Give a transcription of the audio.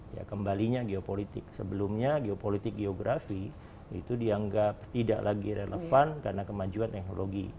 ya kembalinya geopolitik sebelumnya geopolitik geografi itu dianggap tidak lagi relevan karena kemajuan teknologi